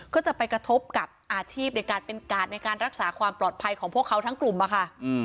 ก็จะไปกระทบกับอาชีพในการเป็นกาดในการรักษาความปลอดภัยของพวกเขาทั้งกลุ่มอะค่ะ